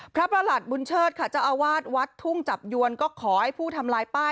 ประหลัดบุญเชิดค่ะเจ้าอาวาสวัดทุ่งจับยวนก็ขอให้ผู้ทำลายป้าย